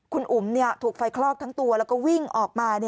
คุณอุ๋มถูกไฟคลอกทั้งตัวแล้วก็วิ่งออกมา